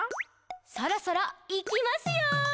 「そろそろ、いきますよ！」